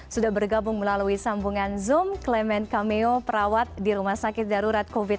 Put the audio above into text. sudah bergabung melalui sambungan zoom clement cameo perawat di rumah sakit darurat covid sembilan belas